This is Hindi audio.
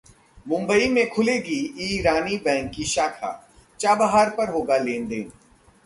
मुंबई में खुलेगी ईरानी बैंक की शाखा, चाबहार पर होगा लेनदेन